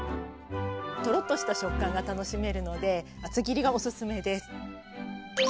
トロッとした食感が楽しめるので厚切りがおすすめです。